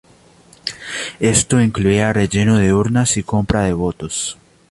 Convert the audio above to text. Esto incluía relleno de urnas y compra de votos.